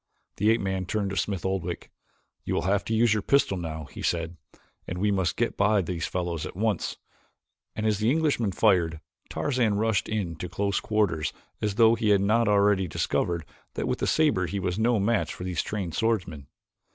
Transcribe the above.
The ape man turned to Smith Oldwick. "You will have to use your pistol now," he said, "and we must get by these fellows at once;" and as the young Englishman fired, Tarzan rushed in to close quarters as though he had not already discovered that with the saber he was no match for these trained swordsmen.